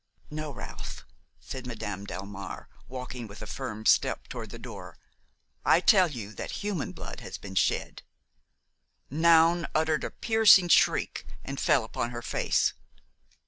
"No, Ralph," said Madame Delmare, walking with a firm step toward the door, "I tell you that human blood has been shed." Noun uttered a piercing shriek and fell upon her face.